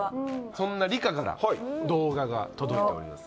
そんな梨加から動画が届いております。